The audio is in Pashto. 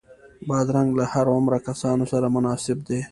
بادرنګ له هر عمره کسانو سره مناسب دی.